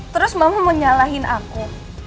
terus mau nyalahin aku